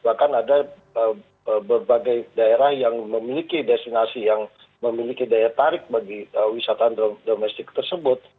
bahkan ada berbagai daerah yang memiliki destinasi yang memiliki daya tarik bagi wisata domestik tersebut